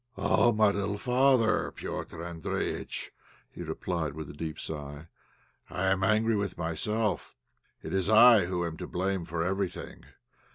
"Oh! my little father, Petr' Andréjïtch," he replied, with a deep sigh, "I am angry with myself; it is I who am to blame for everything.